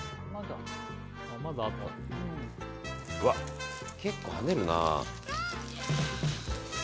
うわ、結構はねるな。